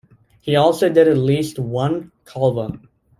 He also did at least one khalwa.